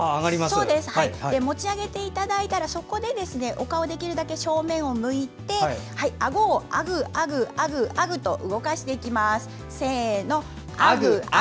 持ち上げていただいたら、お顔は正面を向いてあごを「あぐあぐ」と動かしていきます。